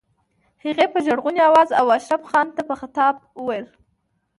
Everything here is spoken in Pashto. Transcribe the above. هغې په ژړغوني آواز اشرف خان ته په خطاب وويل.